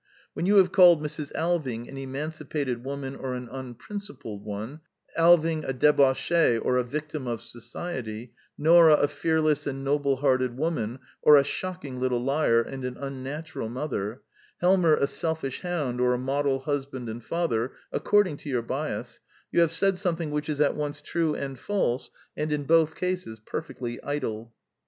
When you have called Mrs. Alving an emanci pated woman or an unprincipled one, Alving a debauchee or a victim of society, Nora a fearless and noble hearted woman or a shocking little liar and an unnatural mother, Helmer a selfish hound or a model husband and father, according to your bias, you have said something which is at once true and false, and in both cases perfecdy idle.